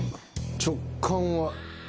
直感はＡ。